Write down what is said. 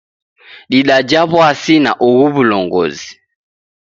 Didaja w'uasi na ughu w'ulongozi.